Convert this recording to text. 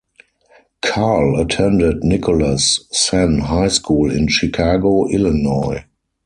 Carl attended Nicholas Senn High School in Chicago, Illinois.